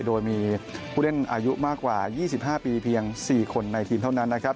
โดยมีผู้เล่นอายุมากกว่า๒๕ปีเพียง๔คนในทีมเท่านั้นนะครับ